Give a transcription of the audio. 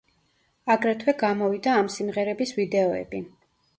აგრეთვე გამოვიდა ამ სიმღერების ვიდეოები.